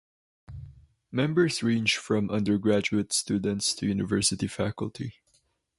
Members range from undergraduate students to university faculty.